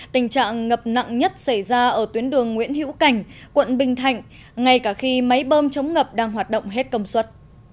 tình trạng ngập nặng nhất xảy ra ở tuyến đường nguyễn hữu cảnh quận bình thạnh ngay cả khi máy bơm chống ngập đang hoạt động hết công suất